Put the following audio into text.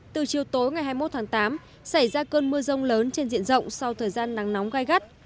từ chiều tối ngày hai mươi một tháng tám xảy ra cơn mưa rông lớn trên diện rộng sau thời gian nắng nóng gai gắt